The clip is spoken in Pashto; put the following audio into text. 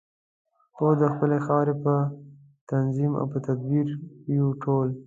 پوه د خپلې خاورې په تنظیم او په تدبیر یو ټول.